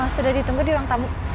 sudah ditunggu di ruang tamu